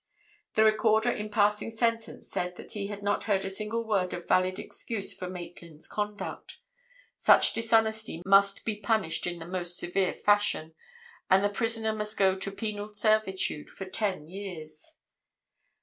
"The Recorder, in passing sentence, said that he had not heard a single word of valid excuse for Maitland's conduct. Such dishonesty must be punished in the most severe fashion, and the prisoner must go to penal servitude for ten years.